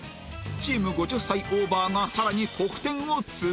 チーム５０歳オーバーがさらに得点を追加